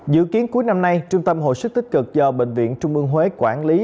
dự kiến cuối năm nay trung tâm hồi sức tích cực do bệnh viện trung ương huế quản lý